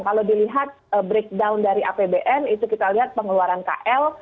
kalau dilihat breakdown dari apbn itu kita lihat pengeluaran kl